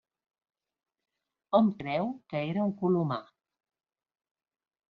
Hom creu que era un colomar.